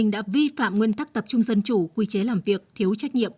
đã vi phạm nguyên tắc tập trung dân chủ quy chế làm việc thiếu trách nhiệm